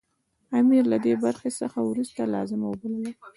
امیر له دې بري څخه وروسته لازمه وبلله.